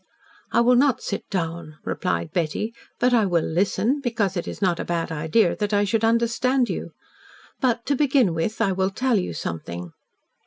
"I will not sit down," replied Betty, "but I will listen, because it is not a bad idea that I should understand you. But to begin with, I will tell you something."